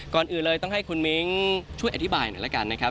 ก่อนอื่นเลยต้องให้คุณมิ้งช่วยอธิบายหน่อยแล้วกันนะครับ